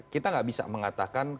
kita gak bisa mengatakan